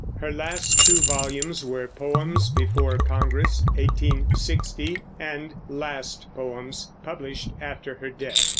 Her last two volumes were Poems before Congress (1860), and Last Poems, published after her death.